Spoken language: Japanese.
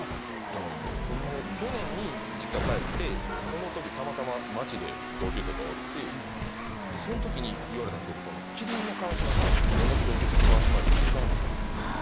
だからこれホンマに去年に実家帰ってその時たまたま街で同級生と会ってでその時に言われたんですけど麒麟の川島が同じ同級生の川島やと気づかなかったんですって